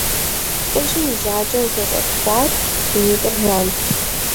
ЛӀыжьым и жьакӀэр зэщӀэтхъуат, и нитӀыр жант.